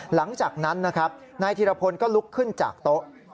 หลังจากนั้นนะครับนายธีรพลก็ลุกขึ้นจากโต๊ะ